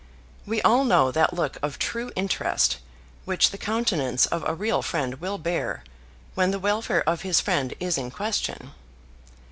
We all know that look of true interest which the countenance of a real friend will bear when the welfare of his friend is in question.